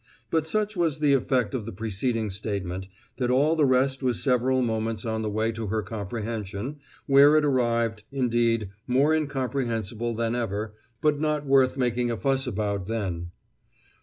But such was the effect of the preceding statement that all the rest was several moments on the way to her comprehension, where it arrived, indeed, more incomprehensible than ever, but not worth making a fuss about then.